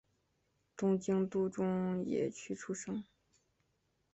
东京都中野区出生。